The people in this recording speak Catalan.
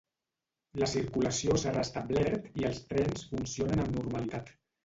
La circulació s’ha restablert i els trens funcionen amb normalitat.